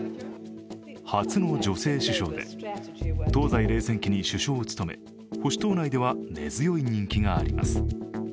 初の女性首相で、東西冷戦期に首相を務め、保守党内では根強い人気があります。